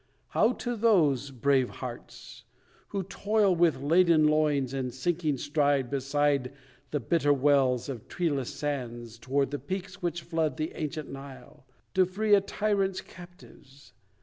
How to those brave hearts! Who toil with laden loins and sinking stride Beside the bitter wells of treeless sands Toward the peaks which flood the ancient Nile, To free a tyrant's captives?